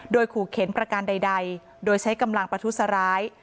โดยขู่เข็นประการใดโดยใช้กำลังประทุษร้าย